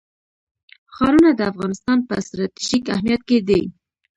ښارونه د افغانستان په ستراتیژیک اهمیت کې دي.